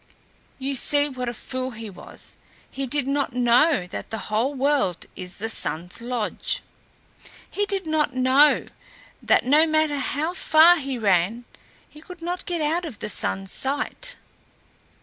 You see what a fool he was; he did not know that the whole world is the Sun's lodge. He did not know that, no matter how far he ran, he could not get out of the Sun's sight.